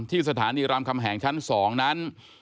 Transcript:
ที่สถานีรามคำแหงชั้น๒นั้น